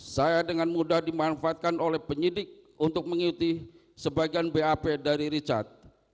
saya dengan mudah dimanfaatkan oleh penyidik untuk mengikuti sebagian bap dari richard